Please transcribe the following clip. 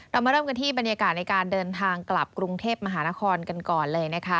เรามาเริ่มกันที่บรรยากาศในการเดินทางกลับกรุงเทพมหานครกันก่อนเลยนะคะ